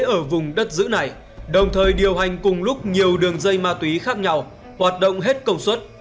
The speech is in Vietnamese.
ở vùng đất giữ này đồng thời điều hành cùng lúc nhiều đường dây ma túy khác nhau hoạt động hết công suất